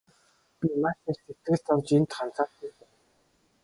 Би маш их сэтгэл зовж энд ганцаардаж байна.